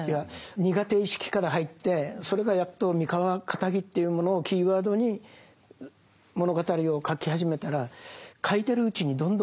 苦手意識から入ってそれがやっと三河かたぎというものをキーワードに物語を書き始めたら書いてるうちにどんどん筆がのってくる。